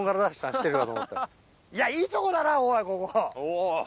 いやいいとこだなおい